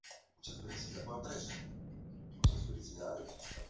La patrona de la Ermita era la Inmaculada Concepción.